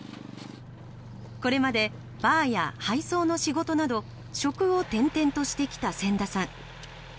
これまでバーや配送の仕事など職を転々としてきた千田さん。